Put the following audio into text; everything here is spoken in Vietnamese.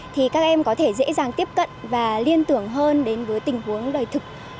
thì các em có thể dễ dàng tiếp cận và liên tưởng hơn đến với tình huống đời thực